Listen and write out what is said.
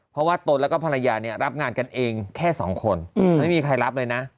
เพราะว่าตนแล้วก็ภรรยาเนี่ยรับงานกันเองแค่สองคนไม่มีใครรับเลยนะ